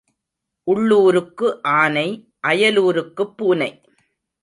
உள்ளூருக்கு ஆனை, அயலூருக்குப் பூனை.